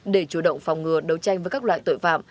để chủ động phòng ngừa đấu tranh với các loại tội phạm